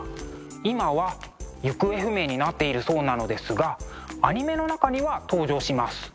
今は行方不明になっているそうなのですがアニメの中には登場します。